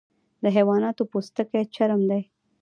د حیواناتو پوستکی چرم دی